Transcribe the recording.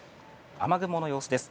雨雲の様子です。